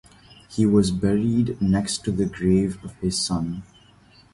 He was buried next to the grave of his son.